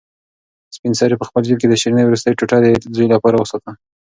سپین سرې په خپل جېب کې د شیرني وروستۍ ټوټه د زوی لپاره وساتله.